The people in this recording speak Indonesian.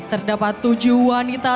terdapat tujuh wanita